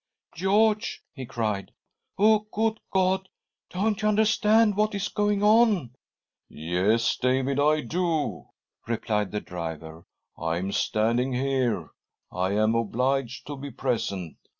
" George !" he" cried. " Oh, good God ! don't you understand what is going on ?"" Yes, David, I do," replied the driver, "I am standing here — I am obliged to be present.